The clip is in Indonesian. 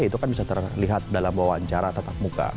itu kan bisa terlihat dalam wawancara tetap muka